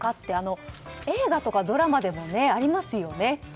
映画とかドラマでもありますよね。